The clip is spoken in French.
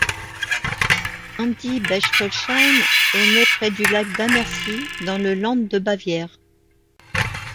Andy Bechtolsheim est né près du lac d'Ammersee, dans le Land de Bavière.